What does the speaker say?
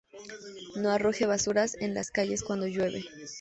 No arroje basuras en las calles cuando llueve.